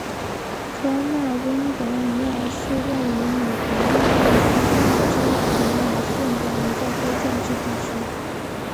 科纳温德米尔是位于美国亚利桑那州皮马县的一个非建制地区。